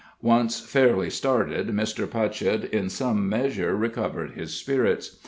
Once fairly started, Mr. Putchett in some measure recovered his spirits.